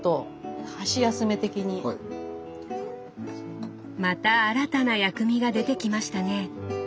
また新たな薬味が出てきましたね。